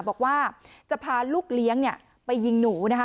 บอกว่าจะพาลูกเลี้ยงไปยิงหนูนะคะ